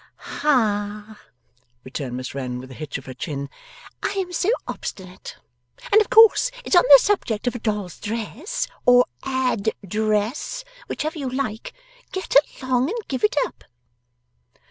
'Ah!' returned Miss Wren with a hitch of her chin, 'I am so obstinate. And of course it's on the subject of a doll's dress or ADdress whichever you like. Get along and give it up!